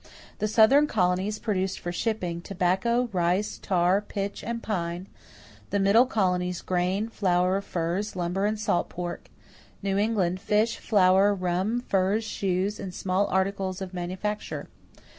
The Southern colonies produced for shipping, tobacco, rice, tar, pitch, and pine; the Middle colonies, grain, flour, furs, lumber, and salt pork; New England, fish, flour, rum, furs, shoes, and small articles of manufacture.